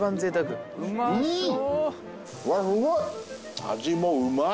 うわすごい！